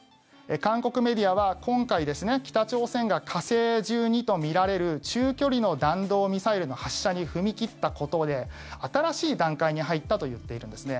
韓国メディアは今回、北朝鮮が火星１２とみられる中距離の弾道ミサイルの発射に踏み切ったことで新しい段階に入ったと言っているんですね。